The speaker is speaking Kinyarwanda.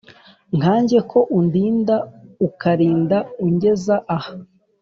nkanjye ko undinda ukarinda ungeza aha?